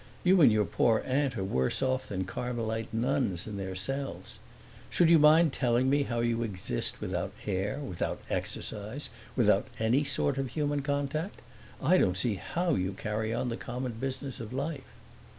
You and your poor aunt are worse off than Carmelite nuns in their cells. Should you mind telling me how you exist without air, without exercise, without any sort of human contact? I don't see how you carry on the common business of life."